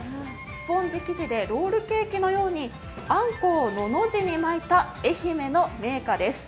スポンジ生地でロールケーキのようにあんこをのの字に巻いた愛媛の銘菓です。